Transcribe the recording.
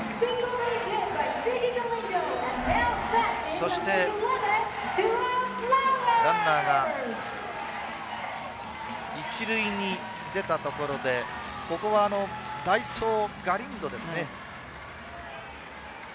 そしてランナーが１塁に出たところでここは代走、ガリンドですね。